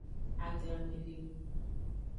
Aglanmedenu.